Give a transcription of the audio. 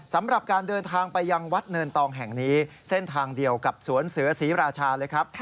สำหรับการเดินทางไปยังวัดเนินตองแห่งนี้เส้นทางเดียวกับสวนเสือศรีราชาเลยครับ